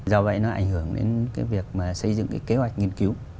do vậy nó ảnh hưởng đến cái việc mà xây dựng cái kế hoạch nghiên cứu